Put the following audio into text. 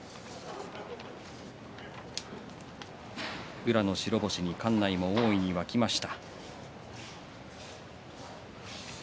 宇良の白星に館内も大いに沸きました。